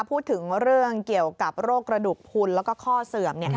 พูดถึงเรื่องเกี่ยวกับโรคกระดูกพุนแล้วก็ข้อเสื่อม